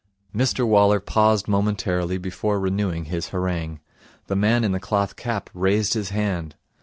Mr Waller paused momentarily before renewing his harangue. The man in the cloth cap raised his hand.